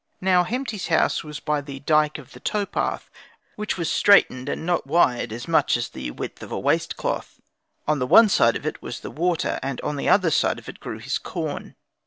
Now the Hemti's house was by the dyke of the tow path, which was straitened, and not wide, as much as the width of a waist cloth: on the one side of it was the water, and on the other side of it grew his corn.